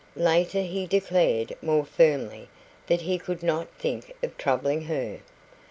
Later, he declared more firmly that he could not think of troubling her.